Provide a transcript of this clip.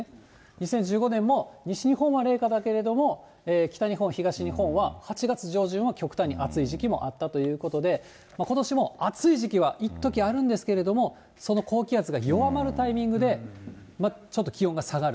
２０１５年も西日本は冷夏だけれども、北日本、東日本は８月上旬は極端に暑い時期もあったということで、ことしも暑い時期はいっときあるんですけれども、その高気圧が弱まるタイミングで、ちょっと気温が下がる。